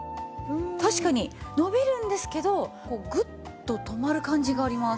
確かに伸びるんですけどグッと止まる感じがあります。